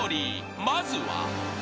［まずは］